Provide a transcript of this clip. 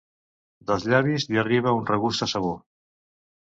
Dels llavis li arriba un regust a sabó.